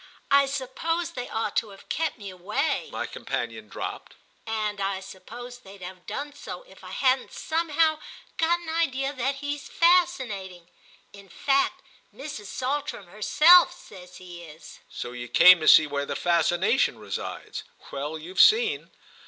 "I suppose they ought to have kept me away," my companion dropped, "and I suppose they'd have done so if I hadn't somehow got an idea that he's fascinating. In fact Mrs. Saltram herself says he is." "So you came to see where the fascination resides? Well, you've seen!"